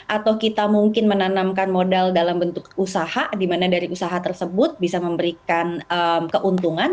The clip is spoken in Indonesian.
atau kita mungkin menanamkan modal dalam bentuk usaha di mana dari usaha tersebut bisa memberikan keuntungan